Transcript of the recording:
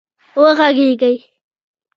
وږغېږئ